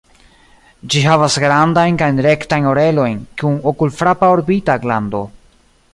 Ĝi havas grandajn kaj rektajn orelojn, kun okulfrapa orbita glando.